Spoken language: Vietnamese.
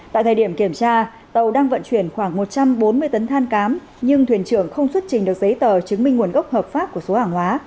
tại thời điểm kiểm tra tàu đang vận chuyển khoảng một trăm bốn mươi tấn than cám nhưng thuyền trưởng không xuất trình được giấy tờ chứng minh nguồn gốc hợp pháp của số hàng hóa